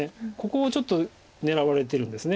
ここをちょっと狙われてるんです。